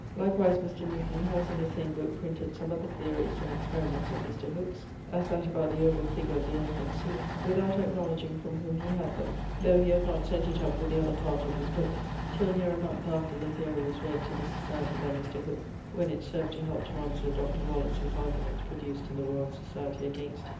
Likewise Mr. Newton haz in the same booke printed some other theories and experiments of Mr. Hooke's, as that about the oval figure of the earth and sea: without acknowledgeing from whom he had them, ['though he had not sent it up with the other parts of his booke till near a month after the theory was read to the Society by Mr. Hooke, when it served to help to answer Dr. Wallis his arguments produced in the Royal Society against it.'